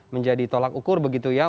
menjadi tolak ukur begitu ya